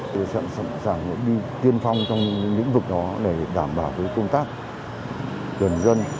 tôi sẵn sàng đi tiên phong trong những lĩnh vực đó để đảm bảo công tác tuần dân